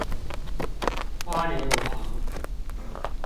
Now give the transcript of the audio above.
花蓮王